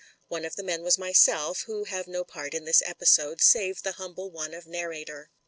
One of the men was myself, who have no part in this episode, save the humble one of narrator.